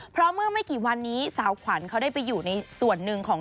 เพราะเมื่อไม่กี่วันนี้สาวขวัญเขาได้ไปอยู่ในส่วนหนึ่งของ